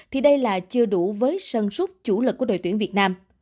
thì đây là chưa đủ với sân xuất chủ lực của đội tuyển việt nam